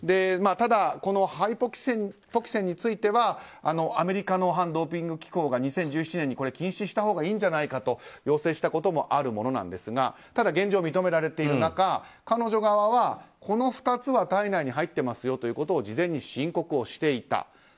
ただ、ハイポキセンについてはアメリカの反ドーピング機構が２０１７年に禁止したほうがいいんじゃないかと要請したこともあるものですが現状認められている中、彼女側はこの２つは体内に入っていますよということを事前に申告をしていた。